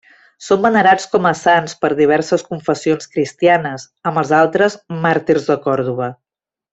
Són venerats com a sants per diverses confessions cristianes, amb els altres Màrtirs de Còrdova.